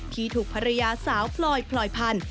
ที่ถูกภรรยาสาวพลอยพลอยพันธุ